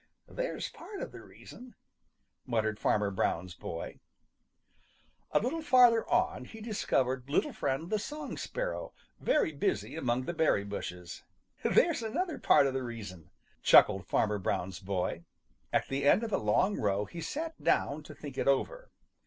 "There's a part of the reason," muttered Farmer Brown's boy. A little farther on he discovered Little Friend the Song Sparrow very busy among the berry bushes. "There's another part of the reason," chuckled Farmer Brown's boy. At the end of a long row he sat down to think it over.